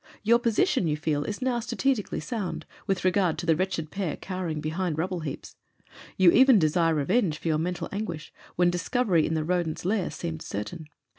Your position, you feel, is now strategically sound, with regard to the wretched pair cowering behind rubble heaps. You even desire revenge for your mental anguish when discovery in the rodent's lair seemed certain.